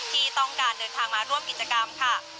ที่ต้องการเดินทางมาร่วมกิจกรรมค่ะ